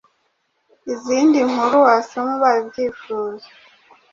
Izindi nkuru wasoma ubaye ubyifuza